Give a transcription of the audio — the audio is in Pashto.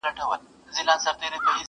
يوه بهرنۍ ښځه عکس اخلي او يادښتونه ليکي